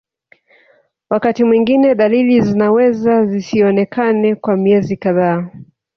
Wakati mwingine dalili zinaweza zisionekane kwa miezi kadhaa